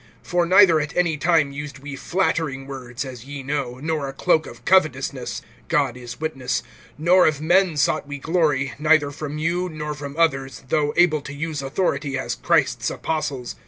(5)For neither at any time used we flattering words, as ye know, nor a cloak of covetousness; God is witness; (6)nor of men sought we glory, neither from you, nor from others, though able to use authority, as Christ's apostles.